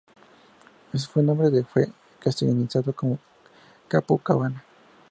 Ese nombre fue castellanizado como Copacabana.